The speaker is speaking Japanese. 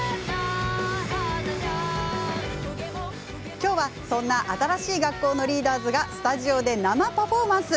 今日は、そんな新しい学校のリーダーズがスタジオで生パフォーマンス。